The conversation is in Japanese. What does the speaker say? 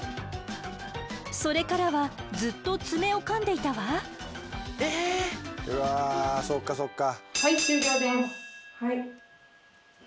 それからはずっと爪をかんでいたわ。え。うわそっかそっか。